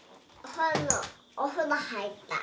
お風呂入った。